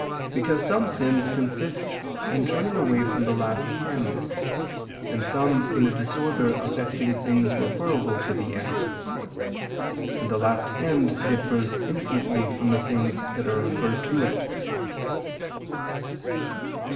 Because some sins consist in turning away from the last end, and some in a disorder affecting things referable to the end: and the last end differs infinitely from the things that are referred to it.